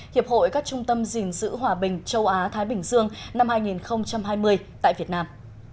hiệp hội các trung tâm gìn giữ hòa bình châu á thái bình dương năm hai nghìn hai mươi tại việt nam